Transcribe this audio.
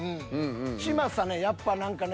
嶋佐やっぱ何かね